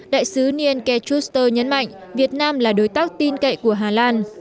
đại sứ nian ke chuster nhấn mạnh việt nam là đối tác tin cậy của hà lan